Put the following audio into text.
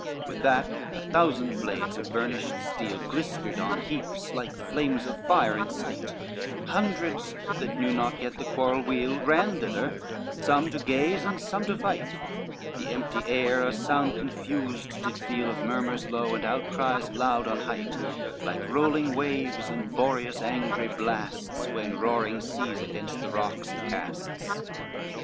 XXVIII With that a thousand blades of burnished steel Glistered on heaps like flames of fire in sight, Hundreds, that knew not yet the quarrel weel, Ran thither, some to gaze and some to fight: The empty air a sound confused did feel Of murmurs low, and outcries loud on height, Like rolling waves and Boreas' angry blasts When roaring seas against the rocks he casts.